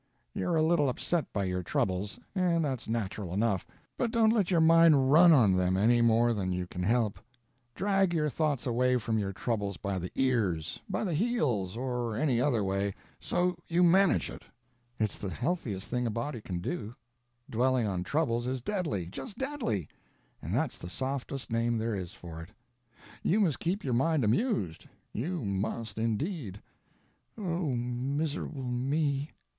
You're a little upset by your troubles, and that's natural enough, but don't let your mind run on them anymore than you can help; drag your thoughts away from your troubles by the ears, by the heels, or any other way, so you manage it; it's the healthiest thing a body can do; dwelling on troubles is deadly, just deadly—and that's the softest name there is for it. You must keep your mind amused—you must, indeed." "Oh, miserable me!"